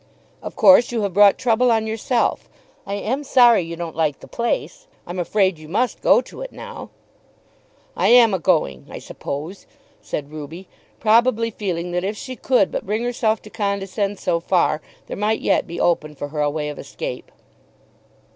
"Of course you have brought trouble on yourself. I am sorry that you don't like the place. I'm afraid you must go to it now." "I am agoing, I suppose," said Ruby, probably feeling that if she could but bring herself to condescend so far there might yet be open for her a way of escape.